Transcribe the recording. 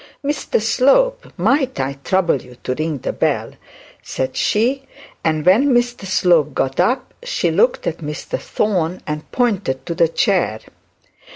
'Mr Slope, might I trouble you to ring the bell?' said she; and when Mr Slope got up she looked at Mr Thorne and pointed to the chair.